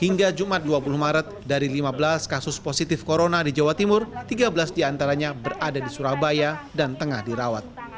hingga jumat dua puluh maret dari lima belas kasus positif corona di jawa timur tiga belas diantaranya berada di surabaya dan tengah dirawat